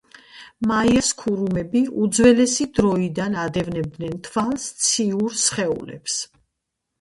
მაიას ქურუმები უძველესი დროიდან ადევნებდნენ თვალს ციურ სხეულებს.